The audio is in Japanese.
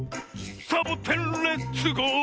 「サボテンレッツゴー！」